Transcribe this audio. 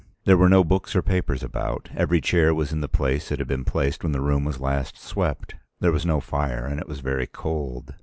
There were no books or papers about; every chair was in the place it had been placed when the room was last swept; there was no fire and it was very cold.